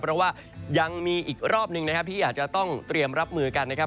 เพราะว่ายังมีอีกรอบหนึ่งนะครับที่อาจจะต้องเตรียมรับมือกันนะครับ